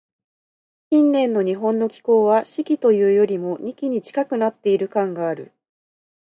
近年の日本の気候は、「四季」というよりも、「二季」に近くなっている感がある。